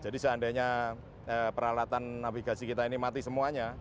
jadi seandainya peralatan navigasi kita ini mati semuanya